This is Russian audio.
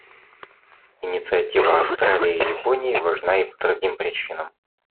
Инициатива Австралии и Японии важна и по другим причинам.